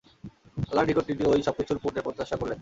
আল্লাহর নিকট তিনি ঐ সবকিছুর পুণ্যের প্রত্যাশা করলেন।